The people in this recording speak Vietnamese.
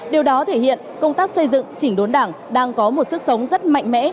điều đó thể hiện công tác xây dựng chỉnh đốn đảng đang có một sức sống rất mạnh mẽ